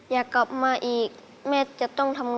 แม่ครับผมคิดถึงครับ